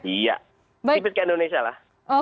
iya sedikit kayak indonesia lah